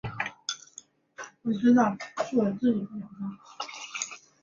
一种进位制中可以使用的数字符号的数目称为这种进位制的基数或底数。